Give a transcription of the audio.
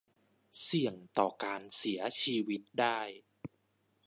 เสี่ยงต่อการเสียชีวิตได้